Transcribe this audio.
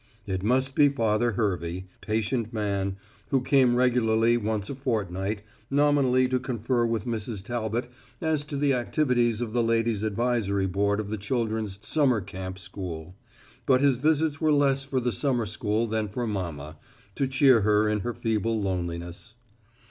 It must be Father Hervey, patient man, who came regularly once a fortnight, nominally to confer with Mrs. Talbot as to the activities of the ladies' advisory board of the children's summer camp school. But his visits were less for the summer school than for mama, to cheer her in her feeble loneliness.